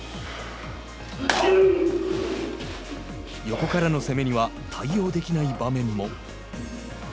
横からの攻めには対応できない場面も。